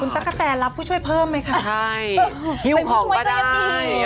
คุณต๊ะกะแต่รับผู้ช่วยเพิ่มไหมคะใช่ใช่